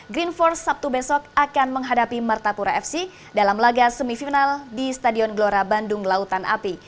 green force sabtu besok akan menghadapi martapura fc dalam laga semifinal di stadion gelora bandung lautan api